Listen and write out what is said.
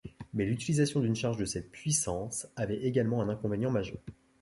Mais l'utilisation d'une charge de cette puissance avait également un inconvénient majeur.